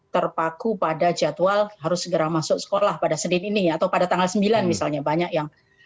terpaku pada jadwal harus segera masuk sekolah pada senin ini atau pada tanggal sembilan misalnya banyak yang